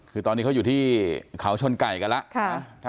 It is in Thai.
คือตอนนี้เขาอยู่ที่เขาชนไก่กันแล้ว